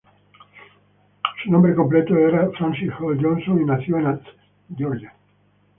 Su nombre completo era Francis Hall Johnson, y nació en Athens, Georgia.